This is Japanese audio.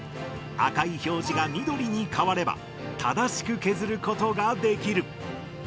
赤い表示が緑に変われば、正しく削ることができる。